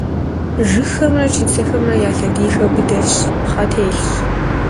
Жыгхэмрэ чыцэхэмрэ я лъэдийхэр быдэщ, пхъэ телъщ.